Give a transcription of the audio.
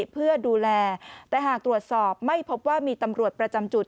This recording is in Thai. เพื่อดูแลแต่หากตรวจสอบไม่พบว่ามีตำรวจประจำจุด